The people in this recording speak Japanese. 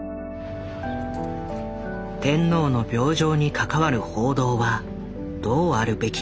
天皇の病状に関わる報道はどうあるべきか。